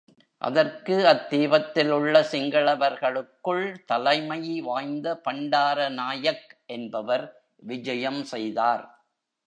அதற்கு அத்தீபத்திலுள்ள சிங்களவர்களுக்குள் தலைமை வாய்ந்த பண்டாரநாயக் என்பவர் விஜயம் செய்தார்.